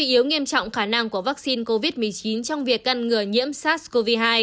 yếu nghiêm trọng khả năng của vaccine covid một mươi chín trong việc ngăn ngừa nhiễm sars cov hai